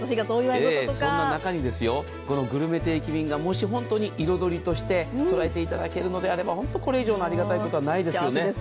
その中にグルメ定期便が彩りとして捉えていただけるのであればこれ以上のありがたいことはないですよね。